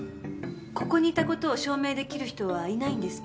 ここにいた事を証明出来る人はいないんですか？